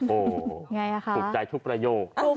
โอ้โหถูกใจทุกประโยค